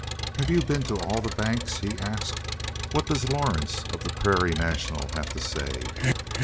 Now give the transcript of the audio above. "Have you been to all the banks?" he asked. "What does Lawrence, of the Prairie National, have to say?"